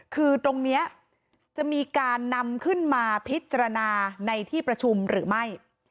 คือตรงนี้จะมีการนำขึ้นมาพิจารณาในที่ประชุมหรือไม่